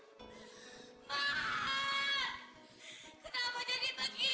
kenapa jadi begini